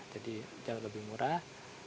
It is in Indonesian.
jadi jauh lebih murah